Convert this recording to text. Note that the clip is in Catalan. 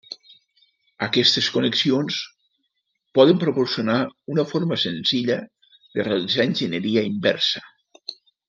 Aquestes connexions poden proporcionar una forma senzilla de realitzar enginyeria inversa.